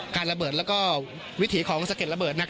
การระเบิดและการสะเก็ดระเบิด